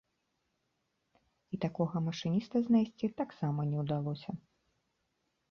І такога машыніста знайсці таксама не ўдалося.